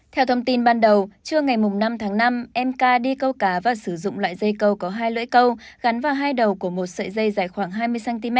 theo thông tin ban đầu trưa ngày năm tháng năm em ca đi câu cá và sử dụng loại dây câu có hai lưỡi câu gắn vào hai đầu của một sợi dây dài khoảng hai mươi cm